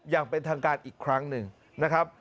อย่างเป็นทางการอีกครั้งหนึ่งนะครับ